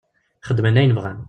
Xeddmen ayen bɣan.